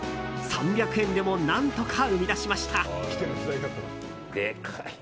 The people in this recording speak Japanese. ３００円でも何とか生み出しました。